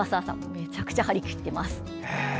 めちゃくちゃ張り切っています。